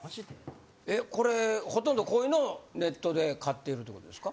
えこれほとんどこういうのをネットで買ってるという事ですか。